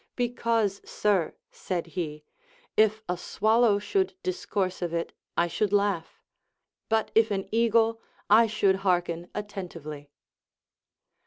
Because, sir, said he, if a swallow should discourse of it, I should laugh ; but if an eagle, I should hearken atten tively.